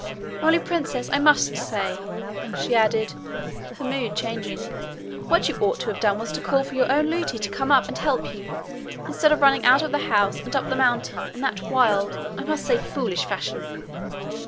Only, princess, I must say,' she added, her mood changing, 'what you ought to have done was to call for your own Lootie to come and help you, instead of running out of the house, and up the mountain, in that wild, I must say, foolish fashion.'